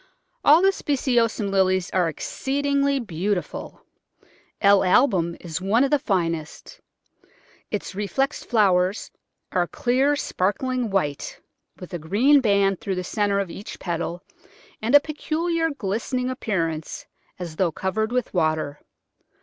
All the speciosum Lilies are exceedingly beautiful. L. Album is one of the finest; its reflexed flowers are a clear, sparkling white with a green band through the centre of each petal, and a peculiar glistening ap pearance, as though covered with water.